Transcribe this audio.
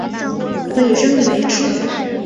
可以升级为狮子。